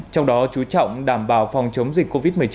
trong đó chú trọng đảm bảo phòng chống dịch covid một mươi chín